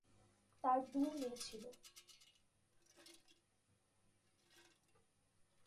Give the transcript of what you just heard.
তার দুই মেয়ে ছিল।